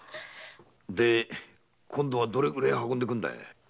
で今度はどれくらい運んでくんだい？